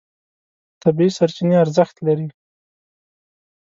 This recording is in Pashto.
طبیعي سرچینې ارزښت لري.